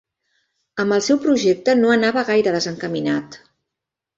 Amb el seu projecte no anava gaire desencaminat